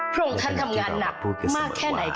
พวกท่านทำงานหนักมากแค่ไหนกันนะคะ